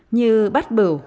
như bát bửu